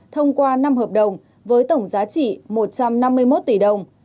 thông qua năm hợp đồng với tổng giá trị một trăm năm mươi một tỷ đồng